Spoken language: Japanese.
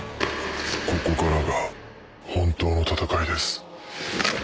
ここからが本当の戦いです。